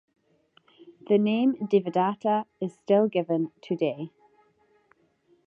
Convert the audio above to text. The name Devadatta is still given today.